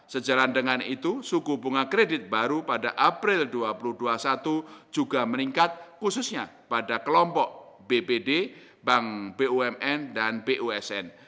sejalan dengan itu suku bunga kredit baru pada april dua ribu dua puluh satu juga meningkat khususnya pada kelompok bpd bank bumn dan bumn